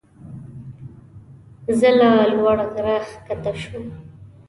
زه له لوړ غره ښکته شوم.